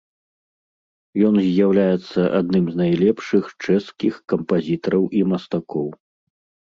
Ён з'яўляецца адным з найлепшых чэшскіх кампазітараў і мастакоў.